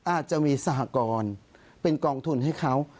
อาจจะมีสหกรเป็นกองทุนให้เขา